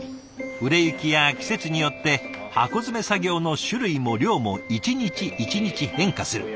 売れ行きや季節によって箱詰め作業の種類も量も一日一日変化する。